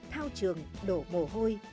thao trường đổ mồ hôi